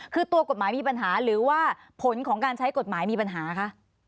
คือตัวกฎหมายมีปัญหาหรือว่าผลของการใช้กฎหมายมีปัญหาคะ